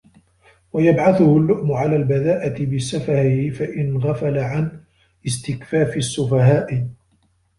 وَيَبْعَثُهُ اللُّؤْمُ عَلَى الْبَذَاءِ بِسَفَهِهِ فَإِنْ غَفَلَ عَنْ اسْتِكْفَافِ السُّفَهَاءِ